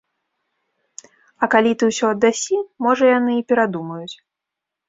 А калі ты ўсё аддасі, можа, яны і перадумаюць.